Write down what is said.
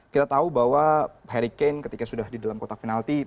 kita tahu bahwa harry kane ketika sudah di dalam kotak penalti